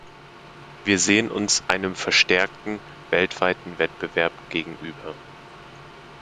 Wir sehen uns einem verstärkten weltweiten Wettbewerb gegenüber.